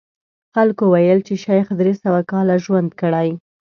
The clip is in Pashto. خلکو ویل چې شیخ درې سوه کاله ژوند کړی.